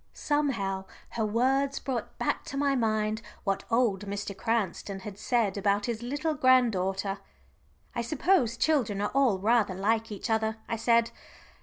Somehow her words brought back to my mind what old Mr. Cranston had said about his little grand daughter. "I suppose children are all rather like each other," I said.